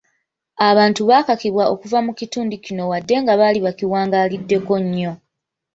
Abantu baakakibwa okuva mu kitundu kino wadde nga baali bakiwangaaliddeko nnyo.